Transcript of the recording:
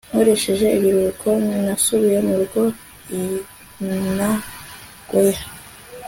nkoresheje ibiruhuko, nasubiye murugo i nagoya